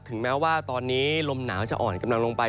แม้ว่าตอนนี้ลมหนาวจะอ่อนกำลังลงไป